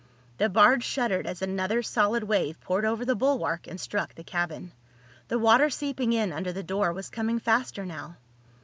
The barge shuddered as another solid wave poured over the bulwark and struck the cabin. The water seeping in under the door was coming faster now.